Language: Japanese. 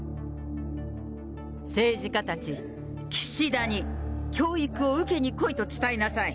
政治家たち、岸田に教育を受けに来いと伝えなさい。